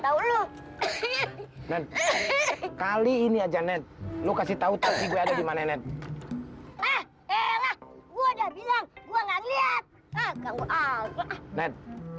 tahu lu kali ini aja net lo kasih tahu tahu gimana net gua udah bilang gua nggak lihat